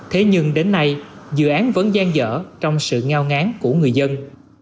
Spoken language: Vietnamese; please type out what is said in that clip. thế nhưng đến nay dự án vẫn gian dở trong sự ngao ngán của người dân